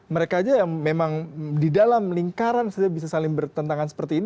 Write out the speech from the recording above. mereka aja yang memang di dalam lingkaran saja bisa saling bertentangan seperti ini